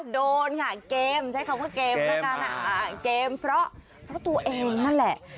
โดนฮะเกมใช้คำว่าเกมเมื่อกันอ่ะเกมเพราะเพราะตัวเองนั่นแหละ